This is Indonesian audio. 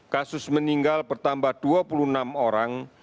kasus meninggal bertambah dua puluh enam orang